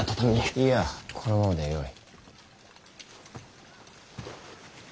いいやこのままでよい。